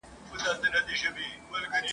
مځكه چاك سوه پكښي ورك د ده پوستين سو !.